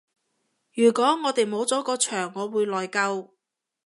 如果我哋冇咗個場我會內疚